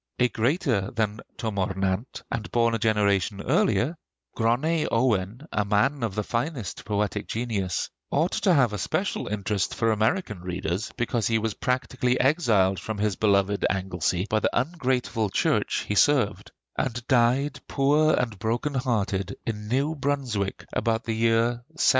A greater than Twm O'r Nant, and born a generation earlier, Gronney Owen, a man of the finest poetic genius, ought to have a special interest for American readers because he was practically exiled from his beloved Anglesea by the ungrateful church he served; and died, poor and broken hearted, in New Brunswick about the year 1780.